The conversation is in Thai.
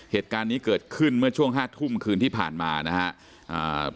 เหตุการณ์นี้เกิดขึ้นเมื่อช่วงห้าทุ่มคืนที่ผ่านมานะครับ